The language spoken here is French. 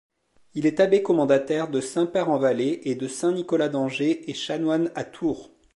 Il est abbé commendataire de Saint-Père-en-Vallée et de Saint-Nicolas d'Angers et chanoine à Tours.